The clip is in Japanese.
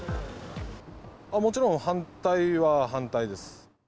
もちろん反対は反対です。